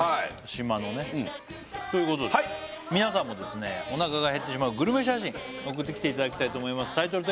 島のねということで皆さんもおなかがへってしまうグルメ写真送ってきていただきたいと思います